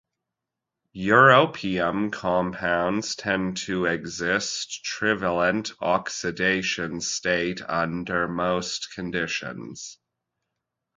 Europium compounds tend to exist trivalent oxidation state under most conditions.